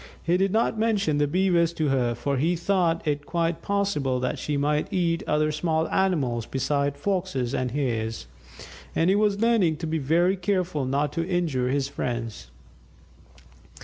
He did not mention the Beavers to her, for he thought it quite possible that she might eat other small animals besides Foxes and Hares; and he was learning to be very careful not to injure his friends.